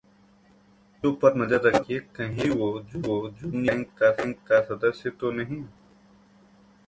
बच्चों पर नज़र रखिए, कहीं वो जूनियर गैंग का सदस्य तो नहीं!